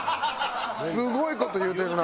すごい事言うてるな！